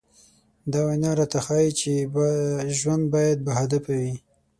دا وينا راته ښيي چې ژوند بايد باهدفه وي.